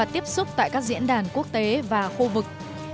tại các diễn đàn quốc tế và khu vực